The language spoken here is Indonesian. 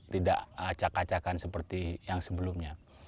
tidak acak acakan seperti yang sebelumnya